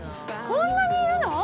こんなにいるの？